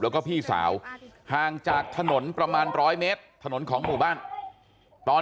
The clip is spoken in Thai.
แล้วก็พี่สาวห่างจากถนนประมาณร้อยเมตรถนนของหมู่บ้านตอน